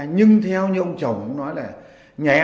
nhưng theo như ông chồng đã nói là không có gì cả